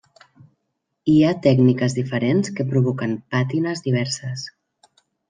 Hi ha tècniques diferents que provoquen pàtines diverses.